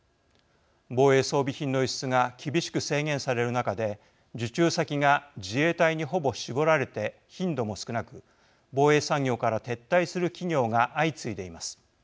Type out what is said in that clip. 防衛装備品の輸出が厳しく制限される中で受注先が自衛隊にほぼ絞られて頻度も少なく防衛産業から撤退する企業が相次いでいます。